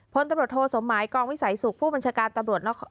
พลตำรวจโทสมหมายกองวิสัยสุขผู้บัญชาการตำรวจนคร